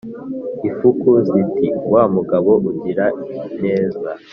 Ifuku ziti: "Wa mugabo ugira neza?"